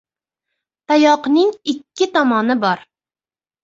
• Tayoqning ikki tomoni bor.